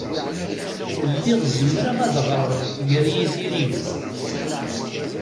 Lliɣ zemreɣ ad ɣreɣ gar yizirigen.